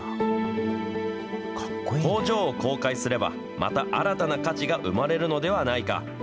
工場を公開すれば、また新たな価値が生まれるのではないか。